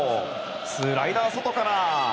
スライダー、外から。